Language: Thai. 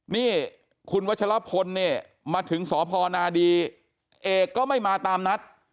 นี่คุณวัชลพลเนี่ยมาถึงสพนดีเอกก็ไม่มาตามนัด